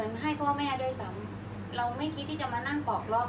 อันไหนที่มันไม่จริงแล้วอาจารย์อยากพูด